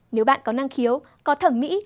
nếu bạn có năng khiếu có thẩm mỹ